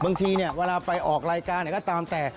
บางทีเวลาไปออกรายการก็ตามแต่